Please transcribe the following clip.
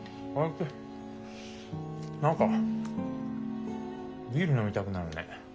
何かビール飲みたくなるね。